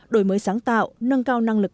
đổi mới sáng tạo nâng cao năng lực